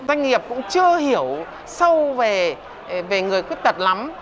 doanh nghiệp cũng chưa hiểu sâu về người khuyết tật lắm